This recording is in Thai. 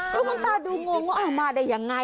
ครูตาดูงงว่ามาได้ยังไง